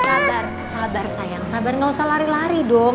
sabar sabar sayang sabar gak usah lari lari dong